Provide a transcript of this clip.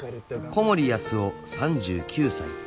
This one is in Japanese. ［小森安生３９歳］